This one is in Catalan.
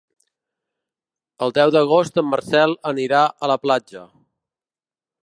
El deu d'agost en Marcel anirà a la platja.